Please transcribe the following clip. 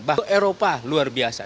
bahkan eropa luar biasa